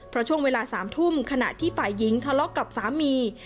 เพราะช่วงเวลา๓ทุ่มขณะที่ฝ่ายหญิงทะเลาะกับสามี